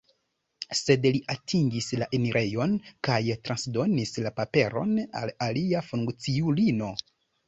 Sed li atingis la enirejon kaj transdonis la paperon al alia funkciulino.